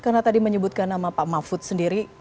karena tadi menyebutkan nama pak mahfud sendiri